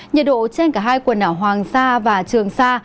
nhiệt độ trên cả hai quần đảo hoàng sa và trường sa